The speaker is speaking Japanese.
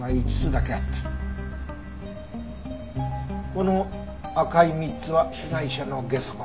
この赤い３つは被害者のゲソ痕。